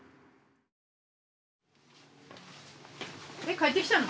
帰ってきたの？